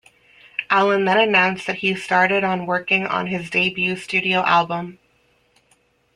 Allan then announced that he started on working on his debut studio album.